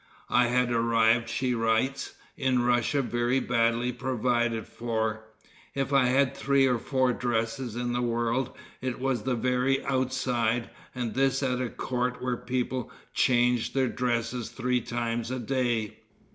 "I had arrived," she writes, "in Russia very badly provided for. If I had three or four dresses in the world, it was the very outside, and this at a court where people changed their dress three times a day.